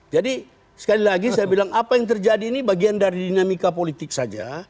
jadi sekali lagi saya bilang apa yang terjadi ini bagian dari dinamika politik saja